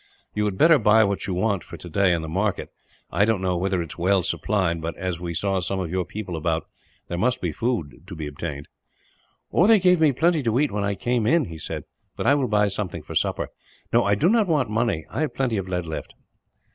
"You had better buy what you want, for today, in the market. I don't know whether it is well supplied but, as we saw some of your people about, there must be food to be obtained." "They gave me plenty to eat when I came in," he said, "but I will buy something for supper. "No, I do not want money, I have plenty of lead left."